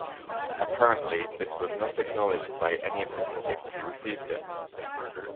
Apparently this was not acknowledged by any of the critics who received it.